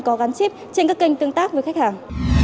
có gắn chip trên các kênh tương tác với khách hàng